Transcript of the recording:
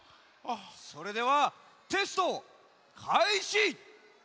それではテストかいし！